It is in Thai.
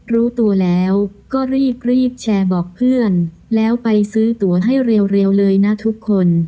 รู้ตัวแล้วก็รีบแชร์บอกเพื่อนแล้วไปซื้อตัวให้เร็วเลยนะทุกคน